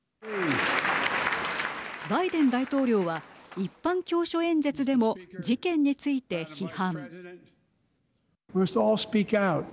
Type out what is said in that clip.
バイデン大統領は一般教書演説でも事件について批判。